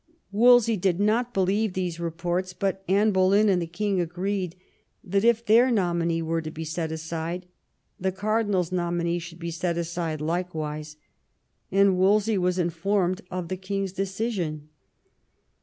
Wolsey did not believe these reports; but Anne Boleyn and the king agreed that if their nominee was to be set aside, the cardinal's nominee should be set aside likewise, and Wolsey was informed of the king's decision.